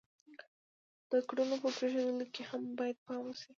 د کړنو په پرېښودلو کې هم باید پام وشي.